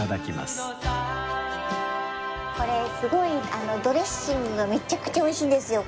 これすごいドレッシングがめちゃくちゃ美味しいんですよ